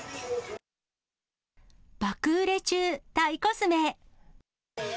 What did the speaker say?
爆売れ中タイコスメ。